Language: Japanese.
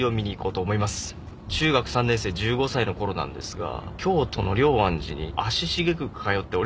中学３年生１５歳のころなんですが京都の龍安寺に足しげく通っておりまして。